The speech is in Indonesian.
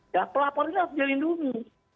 ya pelaporan itu harus dilindungi